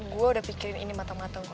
gue udah pikirin ini mata mata lo